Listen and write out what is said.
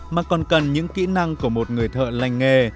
mà còn cần những kỹ năng của một người thợ lành nghề